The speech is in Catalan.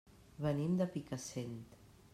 Venim de Picassent.